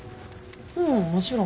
うんもちろん。